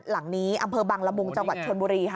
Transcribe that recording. หลังนี้อำเภอบังละมุงจังหวัดชนบุรีค่ะ